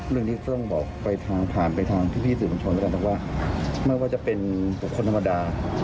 เรื่องนี้ต้องบอกไปทางผ่านไปทางที่พี่สืบสวนช้อนกันว่าไม่ว่าจะเป็นคนธรรมดา